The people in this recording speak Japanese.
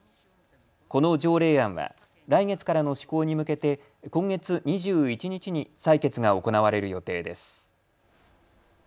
この条例案は来月からの施行に向けて今月２１日に採決が行われる予定です。